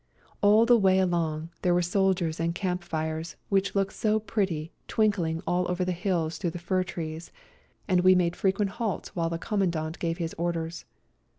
All the way along there were soldiers and camp fires, which looked so pretty twinkling all over the hills through the fir trees, and we 100 A COLD NIGHT RIDE made frequent halts while the Com mandant gave his orders.